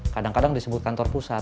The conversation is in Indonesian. kadang kadang disebut kantor pusat